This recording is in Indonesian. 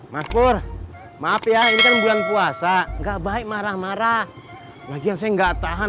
maspur maaf ya ini kan bulan puasa nggak baik marah marah lagi yang saya nggak tahan